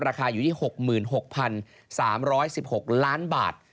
ราคาอยู่ที่๖๖๓๑๖ล้านบาท